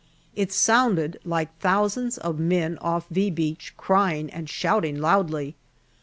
It sounded like thousands of men off " V " Beach crying and shouting loudly.